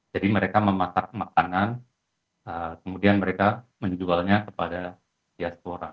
jadi mereka memasak makanan kemudian mereka menjualnya kepada biaspora